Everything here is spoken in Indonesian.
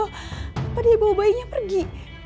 kenapa dia bawa bayinya pergi